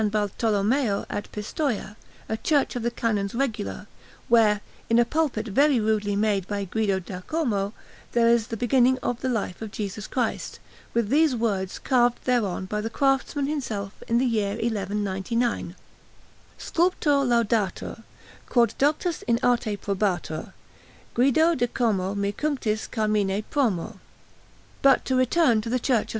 Bartolommeo at Pistoia, a church of the Canons Regular, where, in a pulpit very rudely made by Guido da Como, there is the beginning of the life of Jesus Christ, with these words carved thereon by the craftsman himself in the year 1199: SCULPTOR LAUDATUR, QUOD DOCTUS IN ARTE PROBATUR, GUIDO DE COMO ME CUNCTIS CARMINE PROMO. But to return to the Church of S.